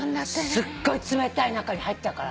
すっごい冷たい中に入ったから。